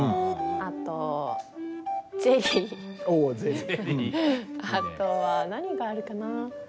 あとは何があるかな？